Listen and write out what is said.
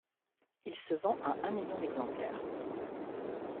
Il se vend à un million d'exemplaires.